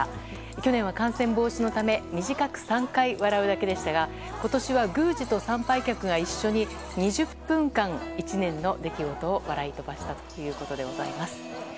去年は感染防止のため短く３回笑うだけでしたが今年は宮司と参拝客が一緒に２０分間１年の出来事を笑い飛ばしたということです。